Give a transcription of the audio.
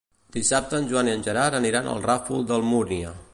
Dissabte en Joan i en Gerard aniran al Ràfol d'Almúnia.